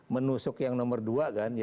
menusuk yang nomor dua kan